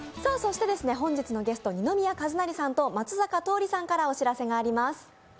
本日のゲスト、二宮和也さんと松坂桃李さんからお知らせがあります。